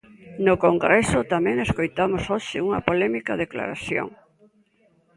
No Congreso tamén escoitamos hoxe unha polémica declaración.